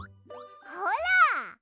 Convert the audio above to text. ほら！